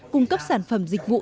cung cấp sản phẩm dịch vụ